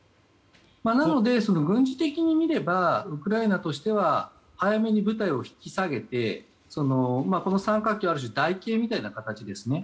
なので、軍事的に見ればウクライナとしては早めに部隊を引き下げてこの三角形はある種台形みたいな形ですね。